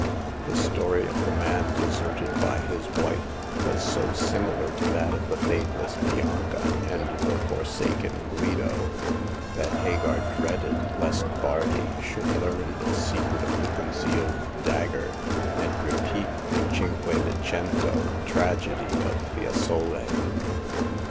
The story of the man deserted by his wife was The Fourth Customer. 117 so similar to that of the faithless Bianca and the forsaken Guido that Hagar dreaded lest Bardi should learn the secret of the concealed dagger and repeat the Cinque de Cento tragedy of Fiesole.